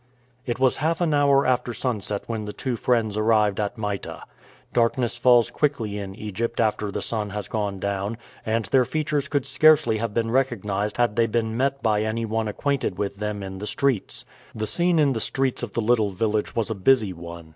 It was half an hour after sunset when the two friends arrived at Mita. Darkness falls quickly in Egypt after the sun has gone down, and their features could scarcely have been recognized had they been met by any one acquainted with them in the streets. The scene in the streets of the little village was a busy one.